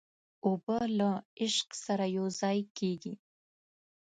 اوبه له عشق سره یوځای کېږي.